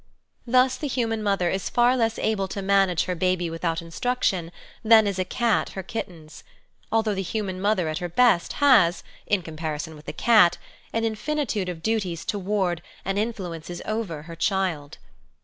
Thus the human mother is far less able to manage her baby without instruction than is a cat her kittens; although the human mother at her best has, in comparison with the cat, an infinitude of duties toward, and influences over, her child.